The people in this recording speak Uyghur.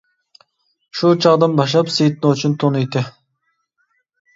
شۇ چاغدىن باشلاپ سېيىت نوچىنى تونۇيتتى.